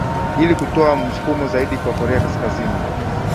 ili kutoa msukumo zaidi kwa korea kaskazini